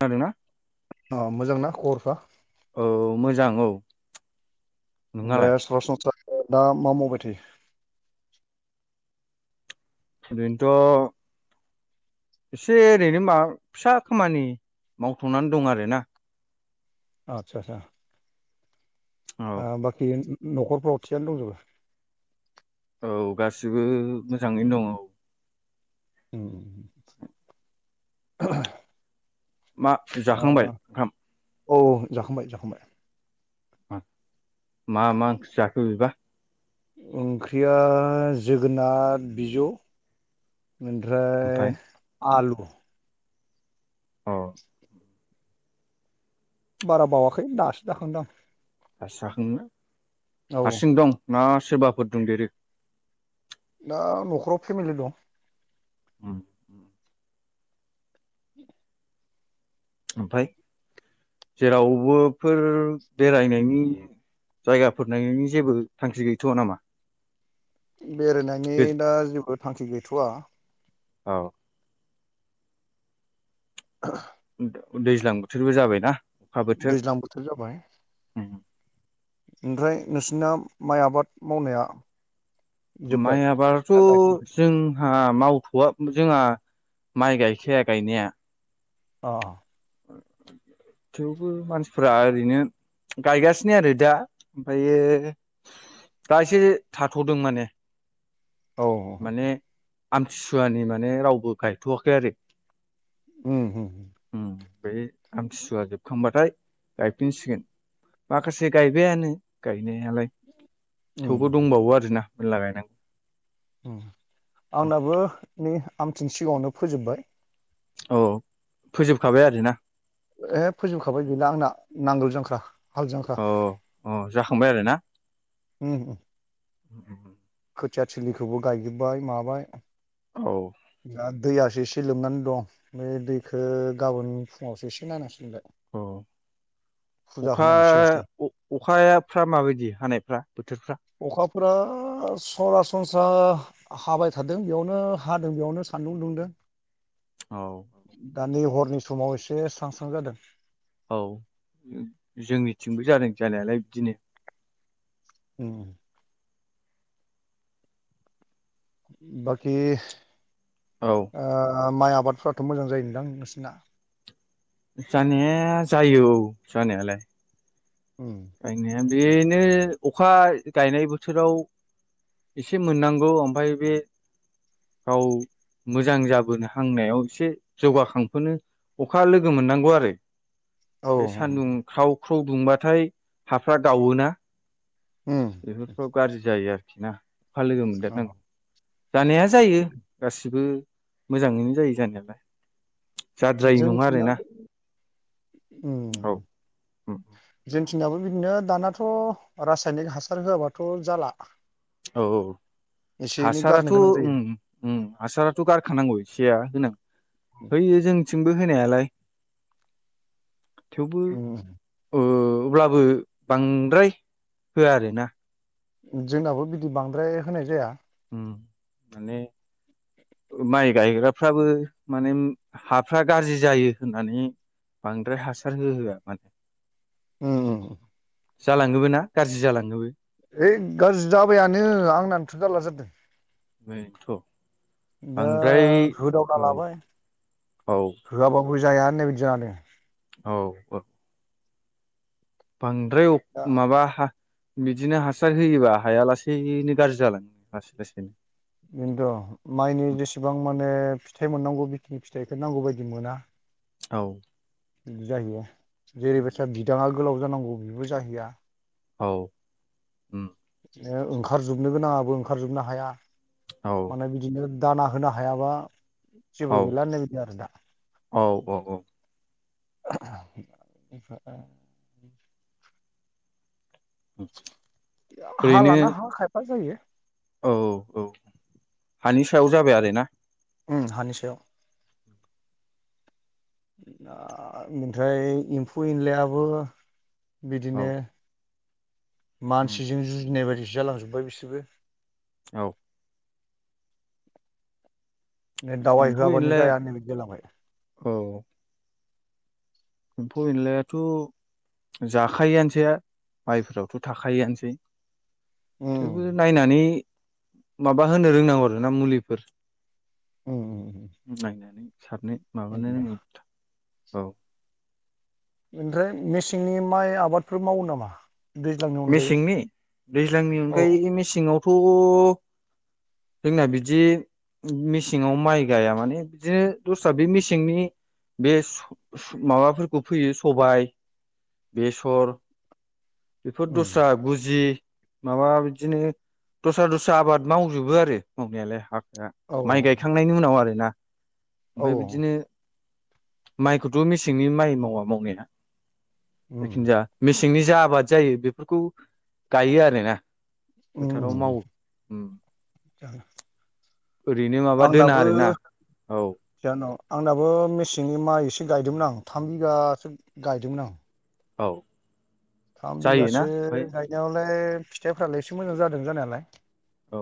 खोनादोंना अ मोजांना खबरफ्रा औ मोजां औ दे नोंहालाय सरासनस्रा दा मा मावबाय थायो बेदिनोथ' एसे ओरैनो माबा फिसा खामानि मावथनानै दं आरोना आतसा-आतसा औ आ बाकि न'खरफ्राव थिगानो दंजोबो औ गासिबो मोजाङैनो दंङ औ उम मा जाखांबाय ओंखाम औ जाखांबाय-जाखांबाय मा-मा ओंख्रि जाखो बिबा ओंख्रिया जोगोनार बिजौ। ओमफ्राय आलु। अ [inaudible] बारा बावाखै दासो जाखांदां आं। दासो जाखांनो हारसिं दं ना सोरबाफोर दंदेरो। दा न'खराव फेमिलि दं। उम। ओमफाय जेरावबोफोर बेरायनायनि जायगाफोर नायनायनि जेबो थांखि गैथ'आ नामा? बेरायनायनि दा जेबो थांखि गैथ'वा। औ। [unintelligible] [unintelligible] दैज्लां बोथोरबो जाबायना। दैज्लां बोथोर जाबाय ओमफ्राय नोंसिना माइ आबाद मावनाया जोब्बाय? माइ आबादाथ' दा गायखां जों हा मावथ'वा जोंहा माइ गायखाया गायनाया। अ। थेवबो मानसिफोरा ओरैनो गायगासिनो आरो दा ओमफ्रायो दा एसे थाथ'दों माने औ माने आमथिसुवानि माने रावबो गायथ'वाखै आरो। उम उम उम। बेै आमथिसुवा जोबखांबाथाय गायफिनसिगोन। माखासे गायबायानो गाय गायनायालाय थेवबो उम दंबावो आरोना मेरला गायनांगौ। उम आंनाबो नै आमथिनि सिगाङावनो फोजोबबाय। औ फोजोबखाबाय आरो ना? ए फोजोबखाबाय गैला आंना नांगोल जांख्रा हालजांख्रा अ अ जाखांबाय आरोना उम उम। खोथिया थिलिखौबो गायजोबबाय माबाय औ दा दैयासो एसे लोमनानै दं बे दैखौ गाबोन फुङावसो एसे नायनांसिगोन। अ। फुजा अखा होनायनि सिगां सिगां अ-अखायाफ्रा माबायदि हानायफ्रा बोथोरफ्रा? फ्रा सरासनस्रा हाबाय थादों बेयावनो हा बेयावनो सान्दुं दुंदों औ दा नै हर फुंनि समाव एसे स्रां स्रां जादों। औ जोंनिथिंबो जादों जानायालाय बिदिनो ओम। बाखि औ आ आ माइ आबादफ्राथ' मोजां जायोनदां नोंसिना? जानाया जायो औ जानायालाय उम। गायनाया बेनो अखा गायनाय बोथोराव एसे मोननांगौ ओमफ्राय बे गाव मोजां जाबोनो हांनायाव एसे जौगाखांबोनो अखा लोगो मोननांगौ आरो। बे औ सानदुं ख्राव ख्राव दुंबाथाय हाफ्रा गावोना उम । बेफोरफ्राव गाज्रि जायो आरोखि ना। अखा लोगो अ मोनदेरनांगौ जानाया जायो गासिबो मोजाङैनो जायो जानायालाय जाद्रायै नङा आरोना जोंथिंनाबो औ ओम। थिंनियाबो बिदिनो दानाथ' रासायनिक हासार होआबाथ' जाला। औ औ। एसे एनै गारनो हासाराथ' गोनां जायो उम उम हासाराथ' गारखानांगौ एसेया होनां होयो जोंथिंबो होनायालाय। थेवबो उम ओ अब्लाबो बांद्राय होआ आरो ना। जोंनाबो बिदि बांद्राय होनाय जाया। उम माने माइ गायग्राफ्राबो माने हाफ्रा गाज्रि जायो होननानै बांद्राय हासार होहोआ माने अ जालाङोबो ना गाज्रि जालाङोबो है गाज्रि जाबायानो आंनानोथ जारला जादों। बेथ' दा होदावना लाबाय औ होआबाबो जाया होननाय बायदि यानो। औ औ। बांद्राय अ दङ दा माबा हा बिदिनो हासार होयोबा हाया लासैनो गाज्रि जालाङो लासै लासैनो खिन्थु माइनि जेसेबां माने फिथाइ मोननांगौ बेखिनि फिथाइखौ नांगौ बायदि मोना औ जाहैयो जेरैबायदिया बिदाङा गोलाव जानांगौ बेबो जाहैया औ ओम ओ ओंखारजोबनो गोनाङाबो ओंखारजोबनो हाया माने बिदिनो दाना होनो हायाबा औ जेबो गैला होननाय बादि आरो ना औ औ औ [unintelligible] हा ओरैनो लाना हा खायफा जायो औ औ औ हानि सायाव जाबाय आरो ना। उम हानिसायाव आ ओमफ्राय एम्फौ एनलायाबो औ बिदिनो मानसिजों जुजिनाय बायदिसो जालांजोब्बाय बिसोरबो औ एम्फौ दावायहोआबानो एनलाया जाया बादि जालांबाय। औ एम्फौ एनलायाथ' जाखायोआनोसै । माइफोरावथ' थाखायोआनोसै। उम थेवबो नायनानै माबा होनो रोंनांगौ आरो ना मुलिफोर उम उम नायनानै सारनो माबानो बिदिनो। रों औ ओमफ्राय मेसेंनि माइ आबादफोर मावो नामा? दैज्लांनि अनगायै मेसेंनि दैज्लांनि औ ओनखाय मेसेंआवथ' जोंना बिदि मेसेंआव माइ गाया माने बिदिनो दस्रा बे मेसेंनि बे माबाफोरखौ फोयो सबाय बेसर बेफोर उम दस्रा बुजि माबा बिदिनो दस्रा दस्रा आबाद मावजोबो आरो मावनायालाय हा औ माइ गायखांनायनि उनाव आरो ना औ ओमफ्राय बिदिनो माइखौथ' मेसेंनि माइ मावा मावनाया उम जायखिजाया मेसेंनि जा आबाद जायो बेफोरखौ गायो आरोना। उम फोथाराव उम मावो ओरैनो माबा दोना आंनाबो आरोना औ जानाव आंनाबो मेसेंनि माइ एसे गायदोंमोन आं थाम बिगासो गायदोंमोन आं। औ। थाम जायोना बिगासो ओमफाय गायनायावलाय फिथाइफ्रालाय एसे मोजां जादों जानायालाय। औ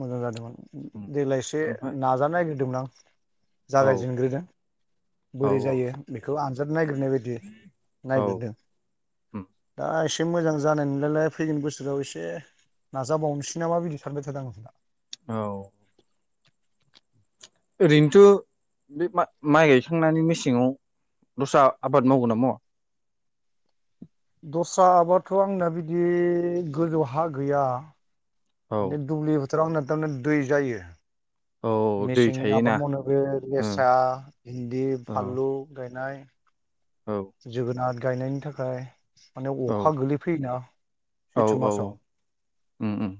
मोजां जादोंमोन उम देग्लाय एसे ओमफाय नाजानो नागिरदोंमोन आं औ जागायजेनग्रोदों। औ बोरै जायो बेखौ आनजाद नयग्रोनाय बायदि औ नायगिरदों। उम दा। एसे मोजां जानाय नोंलायलाय फैगोन बोसोराव एसे नाजाबावनोसै नामा बिदि सानबाय थादों आं। औ। ओरैनोथ' बे माइ गायखांनानै मेसेङाव दस्रा आबाद मावगोना मावा? दस्रा आबादथ' आंना बिदि गोजौ हा गैया। औ बि दुब्लि फोथाराव आंना थारमे दै जायो। औ दै मेसेंनि थायोना आबाद मावनो बे ओ लेस्रा भिन्दि औ फानलु गायनाय। औ जोगोनार गायनायनि थाखाय। माने औ अखा गोलैफैयोना औ सैथ' औ औ मासाव। उम उम।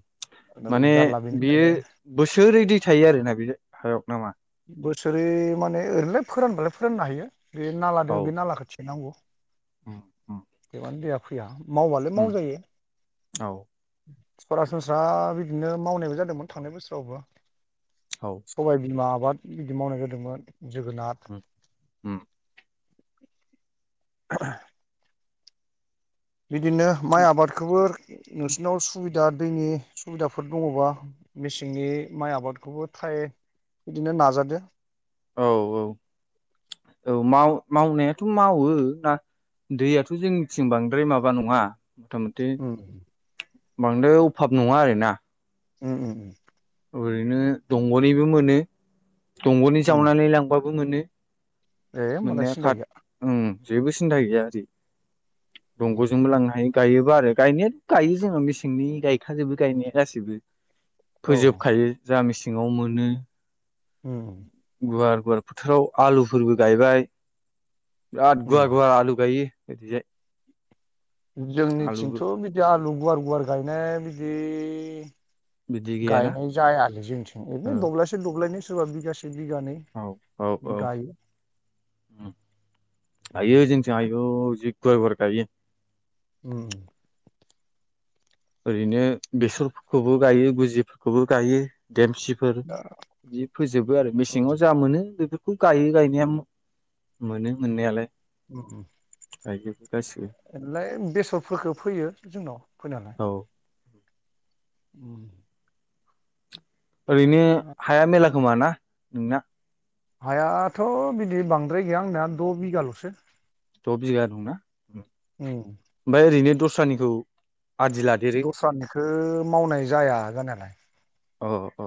माने जारला बेनि बियो थाखायनो बोसोरि दै थायो आरोना बे हायाव नामा। बोसोरि माने ओरैनोलाय फोरानबालाय फोराननो हायो बे नाला औ दङ बे नालाखौ थिग। नांगौ उम उम दैया फैया। मावबालाय उम मावजायो। औ सरासनस्रा बिदिनो मावनायबो जादोंमोन थांनाय बोसोरावबो औ सबाय बिमा। आबाद बिदि मावनाय जादोंमोन जोगोनार उम उम [unintelligible] बिदिनो माइ आबादखौबो नोंसिनाव सुबि दा दैनि सुबिदाफोर दङबा मेसेंनि माइ आबादखौबो थाइ बिदिनो नाजादो। औ औ औ माव-मावनायाथ' मावो ना। दैयाथ' जोंनिथिं बांद्राय माबा नङा। मथा मथि उम बांद्राय अभाब नङा आरोना। ओम ओम ओम। ओरैनो दंग'निबो मोनो दंग'नि उम जावनानै लांबाबो मोनो। ए होमबालाय मोननाया सिन्था खाद गैया ओम। जेबो सिन्था गैया आरि उम दंग'जोंबो लांनो हायो। गायोबो आरो गायनायाथ' गायो जोङो मेसेंनि गायखा जोबो गायनाया गासैबो। औ फोजोबखायो जा मिसिङाव मोनो उम गुवार। गवार फोथाराव आलुफोरबो गायबाय बिराद उम गुवार गुवार आलु गायो। बिदिजाय। जोंनिथिंथ' बिदि आलु गुवार गुवार गायनाय बिदि। बिदि गैयाना गायनाय जाया आरो जोंथिं बिरनो औ दब्लायसे दब्लायनि सोरबा बिगासे। से बिगानै औ बि औ गायो। हायो जोंथिं आयौ जि गुवार गुवार गायो। ओम। ओरैनो बेसरफोरखौबो गायो गुजिफोरखौबो गायो। देमसिफोर दा बिदि फोजोबो आरो ओम मेसेङाव जा मोनो बेफोर खौ गायो गायनाया मोनो मोननायालाय। ओम ओम। गायजोबो। लाय बेसरफोरखौ फैयो जोंनाव फैनायालाय। औ ओम। ओरैनो हाया उम मेला खोमा ना नोंना। हायाथ' बिदि बांद्राय गैया आंनाया द' बिगाल'सो। द' बिगा दंना ओमफ्राय ओरैनो दस्रानिखौ। आदि लादेरो दस्रानिखौ मावनाय जाया जानायालाय अ अ।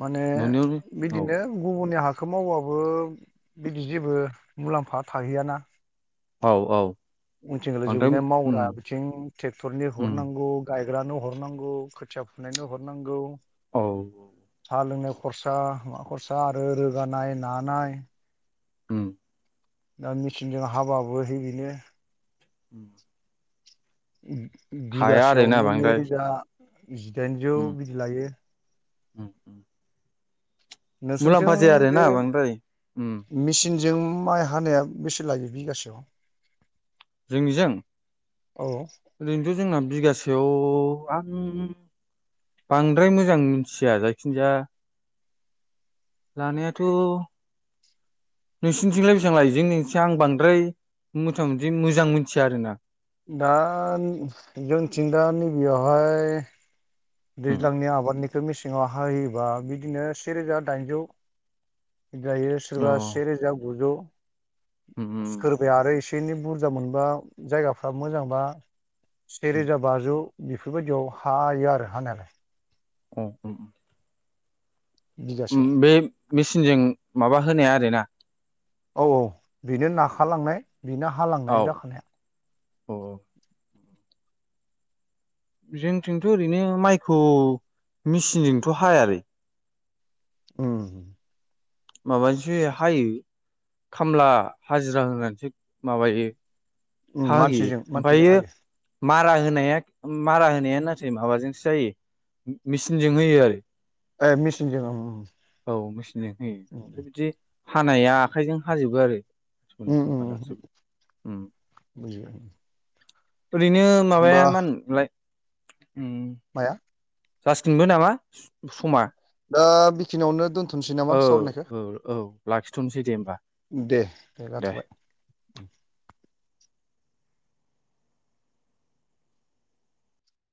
माने न'नियावनो औ बिदिनो गुबुननि हा खौ मावबाबो बिदि जेबो मुलाम्फा थाहैयाना औ औ उनथिंरो बांद्राय जोबहैनाय उम मावग्रा बिथिं ट्रेक्टरनि उम हरनांगौ गाय होग्रानो हरनांगौ खोथिया फुननायनो हरनांगौ औ साहा लोंनाय खरसा मा खरसा आरो रोननाय नानाय ओम दा मेचिनजों हाबाबो है बेनो ओम आरोना बिगासेयावनो बांद्राय नैरोजा जिदाइनजौ बिदि लायो ओम ओम नोंसोरथिं बे बांद्राय उम मेसिनजो जों माइ हानाया बेसे लायो बिगासेयाव जोंनिजों ओरैनोथ' जोंना बिगासेयाव बां बांद्राय मोजां मिथिया जायखिनजाया लानायाथ' नोंसोरनिथिंलाय बेसेबां लायो जोंनिसै आं बांद्राय मोथा मथि मोजां मोनथिया आरो ना दा जोंनिथिं दा नैबेयावहाय उम दैज्लांनि आबादनिखौ मेसेङाव हाहयोबा बिदिनो सेरोजा दाइनजौ जायो अ सोरबा सेेरोजा गुजौ उम उम सोरबाया आरो एसे बिदिनो बुरजा मोनबा जायगाफ्रा मोजांबा उम सेेरोजा बाजौ बेफोरबायदियाव हायो आरो हानायालाय अ ओम ओम बिगासेयाव बे मेचिनजों माबा होनाया आरो ना औ औ बेनो नाखा लांनाय बेनो औ हालांनाय जाखानाय औ जोंथिंथ ओरैनो माइखौ मेचिनजोंथ हायालै ओह माबाजोंसो हायो खामला हाजिरा होननानैसो माबायो उम हायो मानसिजों मानसिजों ओमफायो हायो मारा होनाया मारा होनाया नाथाय माबाजोंसो जायो मेसिनजों होयो आरो ए मेचिनजों उम औ मेचिनजों होयो उम ओमफ्राय बिदि हानाया आखाइजों हाजोबो आरो गननि उम खाम्फा आरोजो उम उम्म बुजिबाय ओरैनो माबाया होमबा मा होनलाय माया जासिगोनबो नामा समा दा बेखिनियावनो दोनथसै नामा औ सावरनायखो औ औ लाखिथ'नोसै दे होमबा दे दे लाथबाय